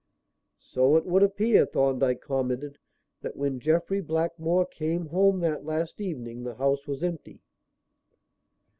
"So it would appear," Thorndyke commented, "that when Jeffrey Blackmore came home that last evening, the house was empty."